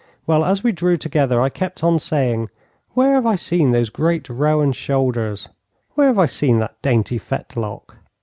Well, as we drew together, I kept on saying, 'Where have I seen those great roan shoulders? Where have I seen that dainty fetlock?'